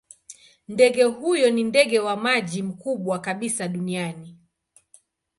Ndege huyo ni ndege wa maji mkubwa kabisa duniani.